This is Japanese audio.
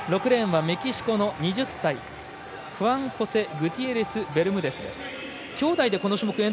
６レーンはメキシコの２０歳フアンホセ・グティエレスベルムデス。